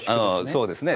そうですね。